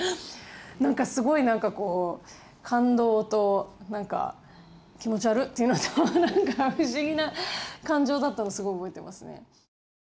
なんかすごい感動と気持ちわるっ！っていうのと不思議な感情だったのすごい覚えてますね。